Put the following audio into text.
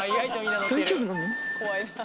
大丈夫なの？